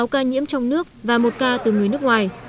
sáu ca nhiễm trong nước và một ca từ người nước ngoài